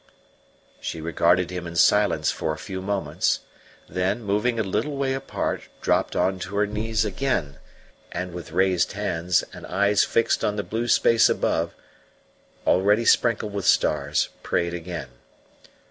She regarded him in silence for a few moments; then, moving a little way apart, dropped on to her knees again, and with raised hands and eyes fixed on the blue space above, already sprinkled with stars, prayed again.